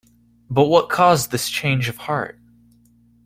But what caused this change of heart?